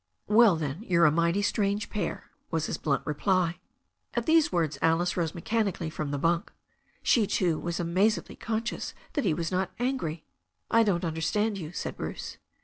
"Well, then, you're a mighty strange pair," was his blunt reply. At these words Alice rose mechanically from the bunk. She, too, was amazedly conscious that he was not angry. "I don't understand you," said Bruce.